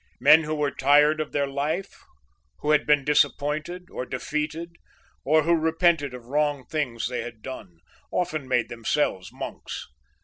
Men who were tired of their life, who had been disappointed or defeated, or who repented of wrong things they had done, often made themselves monks.